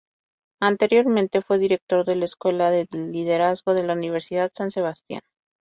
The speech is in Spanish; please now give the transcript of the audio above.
Anteriormente fue director de la Escuela de Liderazgo de la Universidad San Sebastián.